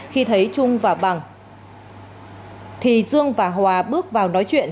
khi thấy trung và bằng thì dương và hòa bước vào nói chuyện